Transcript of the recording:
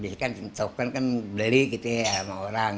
biasanya kan token kan beli gitu ya sama orang